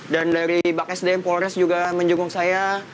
dan dari bak sdm polores juga menjenguk saya